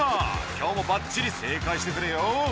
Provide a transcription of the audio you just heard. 「今日もばっちり正解してくれよ」